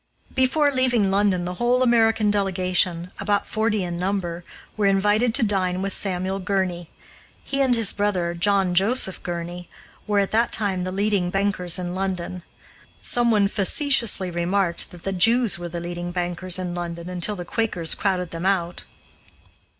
Before leaving London, the whole American delegation, about forty in number, were invited to dine with Samuel Gurney. He and his brother, John Joseph Gurney, were, at that time, the leading bankers in London. Someone facetiously remarked that the Jews were the leading bankers in London until the Quakers crowded them out.